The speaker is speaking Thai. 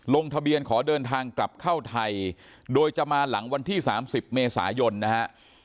ลงทะเบียนขอเดินทางกลับเข้าไทยโดยจะมาหลังวันที่๓๐เมษายนนะฮะ